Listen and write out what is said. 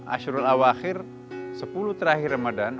ashrul awakhir sepuluh terakhir ramadan